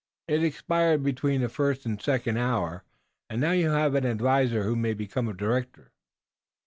It expired between the first and second hour, and now you have an adviser who may become a director."